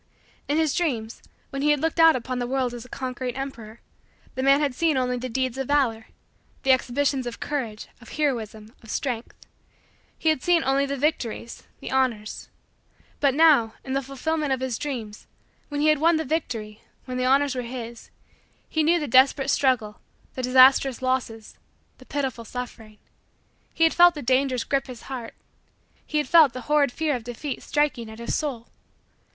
In his dreams, when he had looked out upon the world as a conquering emperor, the man had seen only the deeds of valor the exhibitions of courage, of heroism, of strength he had seen only the victories the honors. But now, in the fulfillment of his dreams when he had won the victory when the honors were his he knew the desperate struggle, the disastrous losses, the pitiful suffering. He had felt the dangers grip his heart. He had felt the horrid fear of defeat striking at his soul.